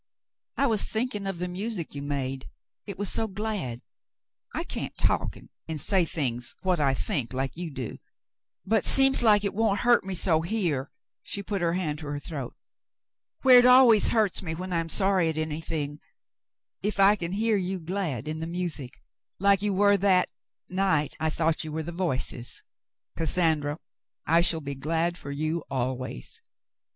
"I was thinking of the music you made. It was so glad. I can't talk and say always what I think, like you do, but seems like it won't hurt me so here," she put her hand to her throat, "where it always hurts me when I am sorry at anything, if I can hear you glad in the music — like you were that — night I thought you were the ' Voices.* " "Cassandra, it shall be glad for you, always."